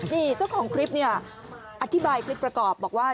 นี่เจ้าของคลิปเนี่ยอธิบายคลิปประกอบบอกว่า